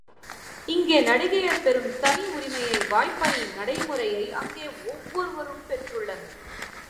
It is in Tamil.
இங்கே நடிகையர் பெறும் தனி உரிமையை, வாய்ப்பை, நடைமுறையை அங்கே ஒவ்வொருவரும் பெற்றுள்ளனர்.